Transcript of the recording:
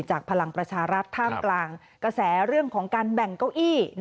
พลังประชารัฐท่ามกลางกระแสเรื่องของการแบ่งเก้าอี้